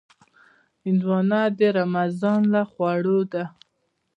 هندوانه د رمضان له خوړو ده.